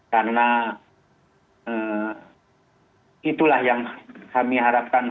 karena itulah yang kami harapkan